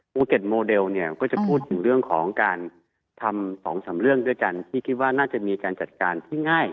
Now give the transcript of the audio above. ภูเก็ตโมเดลเนี่ยก็จะพูดถึงเรื่องของการทำ๒๓เรื่องด้วยกันที่คิดว่าน่าจะมีการจัดการที่ง่าย